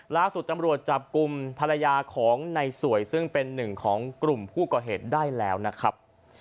ล่าสุดตำรวจจับกลุ่มภรรยาของในสวยซึ่งเป็นหนึ่งของกลุ่มผู้ก่อเหตุได้แล้วนะครับ